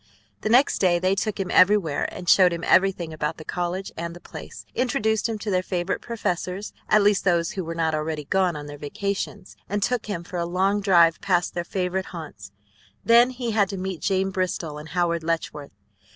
The next day they took him everywhere and showed him everything about the college and the place, introduced him to their favorite professors, at least those who were not already gone on their vacations, and took him for a long drive past their favorite haunts. Then he had to meet Jane Bristol and Howard Letchworth.